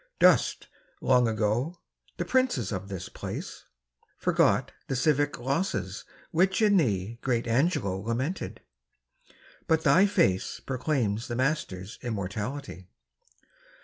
Dust, long ago, the princes of this place ; Forgot the civic losses which in thee Great Angelo lamented ; but thy face Proclaims the master's immortality!